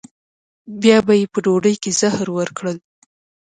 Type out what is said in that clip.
بیا به یې په ډوډۍ کې زهر ورکړل.